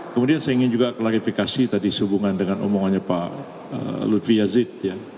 kemudian saya ingin juga klarifikasi tadi sehubungan dengan omongannya pak lutfi yazid